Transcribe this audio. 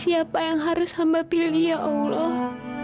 siapa yang harus hamba pilih ya allah